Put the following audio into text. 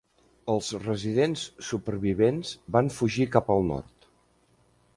Els residents supervivents van fugir cap al nord.